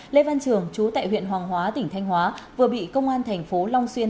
lê văn trường chú tại huyện hoàng hóa tỉnh thanh hóa vừa bị công an thành phố long xuyên